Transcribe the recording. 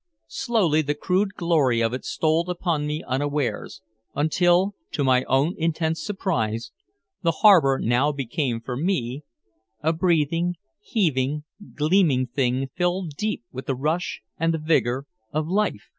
Slowly the crude glory of it stole upon me unawares until to my own intense surprise the harbor now became for me a breathing, heaving, gleaming thing filled deep with the rush and the vigor of life.